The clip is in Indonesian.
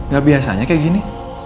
gak biasanya kayak gini